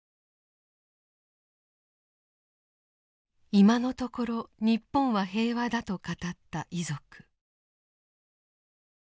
今のところ日本は平和だと語った遺族。